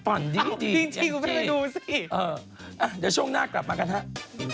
อ้าวจริงกูแพ้ไปดูสิอาจ้ะช่วงหน้ากลับมากันครับ